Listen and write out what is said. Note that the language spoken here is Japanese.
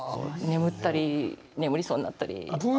眠ったり眠りそうになったり。